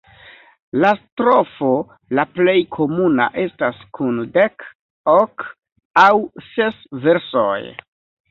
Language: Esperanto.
La strofo la plej komuna estas kun dek, ok aŭ ses versoj.